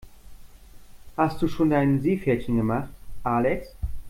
Hast du schon dein Seepferdchen gemacht, Alex?